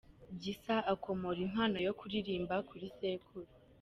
Gisa akomora impano yo kuririmba kuri sekuru